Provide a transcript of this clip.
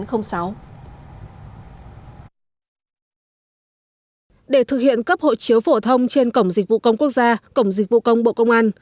để thực hiện cấp hộ chiếu phổ thông trên cổng dịch vụ công quốc gia cổng dịch vụ công bộ công an